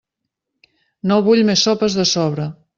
No vull més sopes de sobre.